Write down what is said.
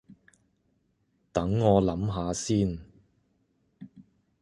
等我諗吓先